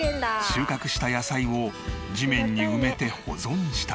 収穫した野菜を地面に埋めて保存したり。